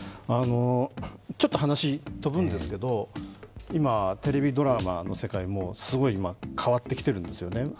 ちょっと話飛ぶんですけど、今、テレビドラマの世界もすごい変わってきているんですよね。